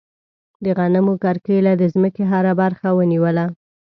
د غنمو کرکیله د ځمکې هره برخه ونیوله.